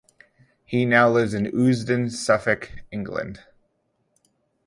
He now lives in Ousden, Suffolk, England.